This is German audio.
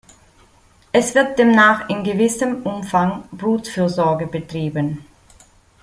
Es wird demnach in gewissem Umfang Brutfürsorge betrieben.